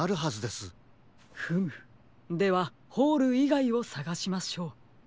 フムではホールいがいをさがしましょう。